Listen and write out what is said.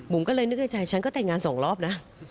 ผมก็เลยนึกในใจฉันก็แต่งงานสองรอบนะ